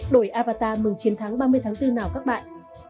đổi avatar mừng chiến thắng ba mươi tháng bốn nào các bạn